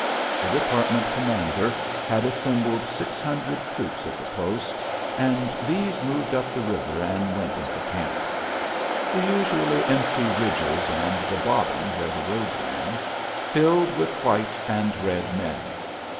The department commander had assembled six hundred troops at the post, and these moved up the river and went into camp. The usually empty ridges, and the bottom where the road ran, filled with white and red men.